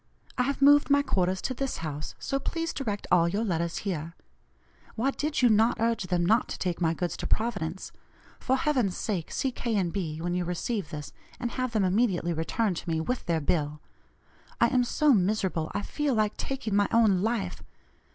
I have moved my quarters to this house, so please direct all your letters here. Why did you not urge them not to take my goods to Providence? For heaven's sake see K. & B. when you receive this, and have them immediately returned to me, with their bill. I am so miserable I feel like taking my own life.